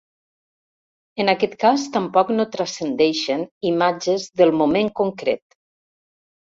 En aquest cas tampoc no transcendeixen imatges del moment concret.